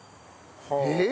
えっ？